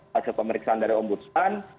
hasil pemeriksaan dari om budsman